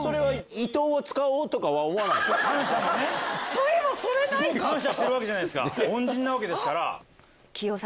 そういえばそれないか。感謝してるわけじゃないですか恩人なわけですから。